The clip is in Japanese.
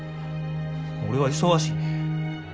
俺は忙しいねん。